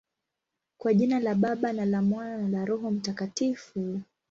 Kwa jina la Baba, na la Mwana, na la Roho Mtakatifu.